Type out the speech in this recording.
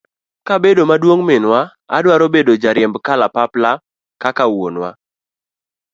kabedo maduong' minwa adwaro bedo jariemb kalapapla kaka wuonwa.